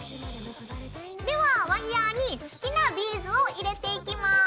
ではワイヤーに好きなビーズを入れていきます。